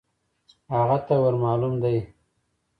هغه ته ور مالوم دی .